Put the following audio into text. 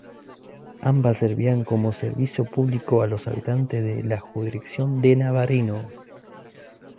Ambas servían como servicio público a los habitantes de la jurisdicción de Navarino.